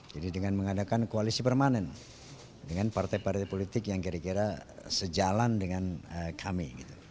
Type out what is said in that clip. jadi dengan mengadakan koalisi permanen dengan partai partai politik yang kira kira sejalan dengan kami